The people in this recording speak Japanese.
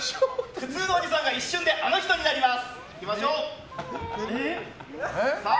普通のおじさんが一瞬であの人になります。